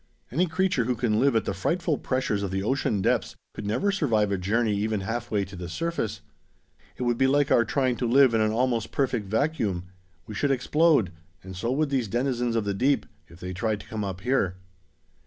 "Any creature who can live at the frightful pressures of the ocean depths could never survive a journey even halfway to the surface. It would be like our trying to live in an almost perfect vacuum. We should explode, and so would these denizens of the deep, if they tried to come up here.